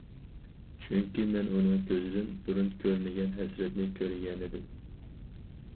چۈنكى مەن ئۇنىڭ كۆزىدىن بۇرۇن كۆرمىگەن ھەسرەتنى كۆرگەنىدىم.